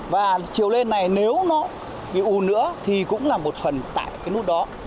và chiều lên này nếu nó bị u nữa thì cũng là một phần tại cái nút đó